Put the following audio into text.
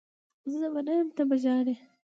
زه به نه یم ته به ژاړي